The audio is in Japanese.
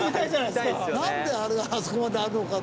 なんであれがあそこまであるのか。